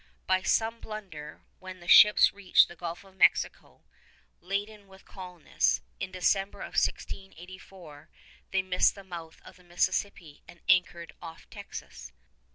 By some blunder, when the ships reached the Gulf of Mexico, laden with colonists, in December of 1684, they missed the mouth of the Mississippi and anchored off Texas.